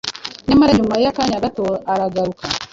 Nyamara nyuma y’akanya gato aragaruka